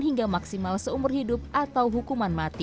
hingga maksimal seumur hidup atau hukuman mati